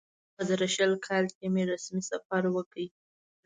په دوه زره شل کال کې مې رسمي سفر وکړ.